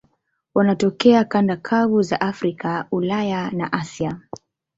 Wanatokea kanda kavu za Afrika, Ulaya na Asia.